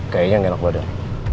kayaknya nggak enak banget